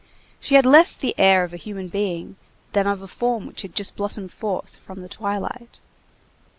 She had less the air of a human being than of a form which had just blossomed forth from the twilight.